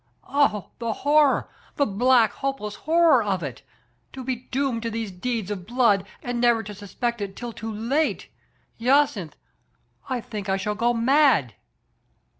"Oh, the horror, the black, hopeless horror of it ! To be doomed to these deeds of blood, and never to suspect it till too late. Jacynth, I think I shall go pa^d.